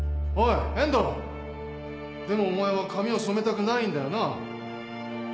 でもお前は髪を染めたくないんだよな